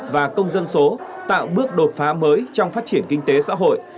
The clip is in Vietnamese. và công dân số tạo bước đột phá mới trong phát triển kinh tế xã hội